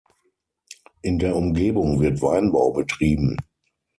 In der Umgebung wird Weinbau betrieben.